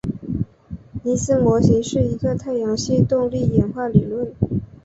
尼斯模型是一个太阳系动力演化理论。